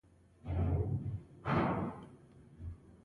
اشلي وايي "ناڅاپه مې له خولې ووتل